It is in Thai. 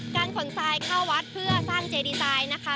การขนทรายเข้าวัดเพื่อสร้างเจดีไซน์นะคะ